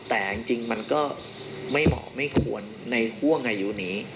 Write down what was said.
แต่จริงมันก็ไม่เหมาะไม่ควรในห่วงอายุนี้